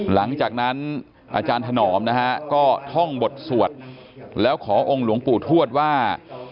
หลังจากนั้นอาจารย์ถนอมนะฮะก็ท่องบทสวดแล้วขอองค์หลวงปู่ทวดว่า